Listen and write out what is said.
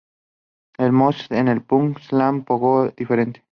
El mosh en el punk, slam o pogo es diferente.